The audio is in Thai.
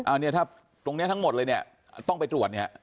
อันนี้ถ้าตรงนี้ทั้งหมดเลยเนี่ยต้องไปตรวจเนี่ย